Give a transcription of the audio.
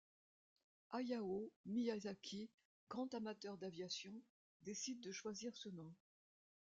Hayao Miyazaki, grand amateur d'aviation, décide de choisir ce nom.